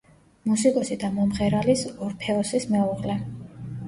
მუსიკოსი და მომღერალის ორფეოსის მეუღლე.